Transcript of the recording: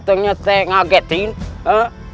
kenapa kau mengagetku